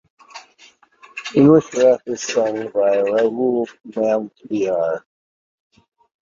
English Rap is sung by Rahul Nambiar.